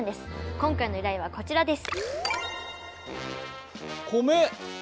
今回の依頼はこちらです。